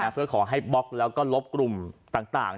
เพื่อขอให้บล็อกแล้วก็ลบกลุ่มต่าง